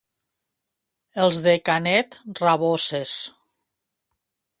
Els de Canet, raboses.